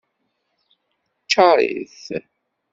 Ccaṛ-it.